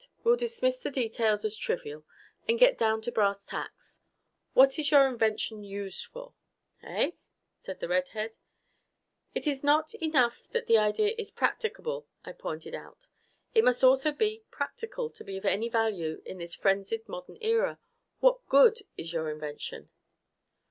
We'll dismiss the details as trivial and get down to brass tacks. What is your invention used for?" "Eh?" said the redhead. "It's not enough that an idea is practicable," I pointed out. "It must also be practical to be of any value in this frenzied modern era. What good is your invention?"